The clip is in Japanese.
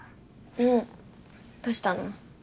うんどうしたの？